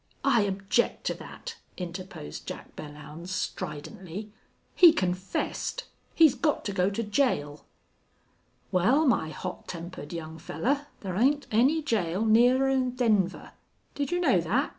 "I object to that," interposed Jack Belllounds, stridently. "He confessed. He's got to go to jail." "Wal, my hot tempered young fellar, thar ain't any jail nearer 'n Denver. Did you know that?"